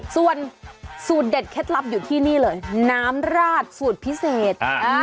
ส่วนสูตรเด็ดเคล็ดลับอยู่ที่นี่เลยน้ำราดสูตรพิเศษ